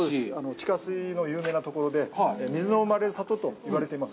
地下水の有名なところで、水の生まれる里と言われています。